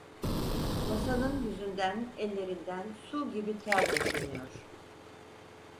Hasan'ın yüzünden, ellerinden su gibi ter boşanıyor…